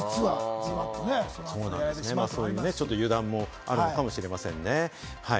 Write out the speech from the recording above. ちょっとそういう油断もあるかもしれませんね。